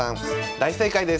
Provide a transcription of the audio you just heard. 大正解です！